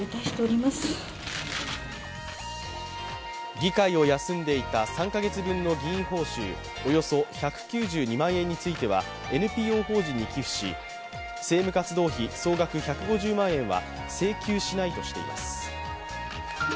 議会を休んでいた３カ月分の議員報酬、およそ１９２万円についてはＮＰＯ法人に寄付し政務活動費総額１５０万円は請求しないとしています。